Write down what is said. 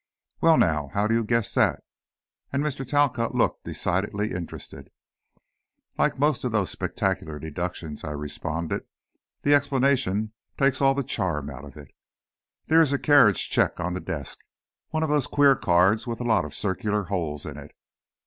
"Well, now, how do you guess that?" and Mr. Talcott looked decidedly interested. "Like most of those spectacular deductions," I responded, "the explanation takes all the charm out of it. There is a carriage check on the desk, one of those queer cards with a lot of circular holes in it.